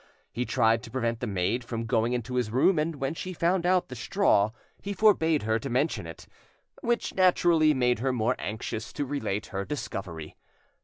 He tried to prevent the maid from going into his room, and when she found out the straw he forbade her to mention it—which naturally made her more anxious to relate her discovery.